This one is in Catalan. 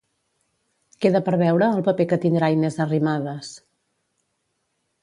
Queda per veure el paper que tindrà Inés Arrimadas.